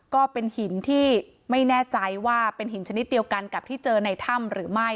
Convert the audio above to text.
ก็เป็นหินที่ไม่แน่ใจว่าเป็นหินชนิดเดียวกันกับที่เจอในถ้ำหรือไม่